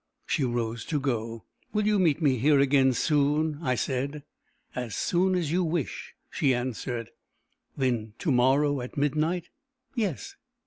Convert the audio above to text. She rose to go. "Will you meet me here again soon?" I said. "As soon as you wish," she answered. "Then to morrow, at midnight?" "Yes."